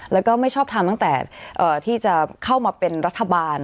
แล้วก็ไม่ชอบทำตั้งแต่ที่จะเข้ามาเป็นรัฐบาล